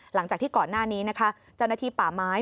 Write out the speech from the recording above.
หลังจากที่ก่อนหน้านี้นะคะเจ้าหน้าที่ป่าไม้